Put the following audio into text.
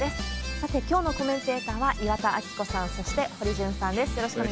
さて、きょうのコメンテーターは、岩田明子さん、そして、堀潤さんです。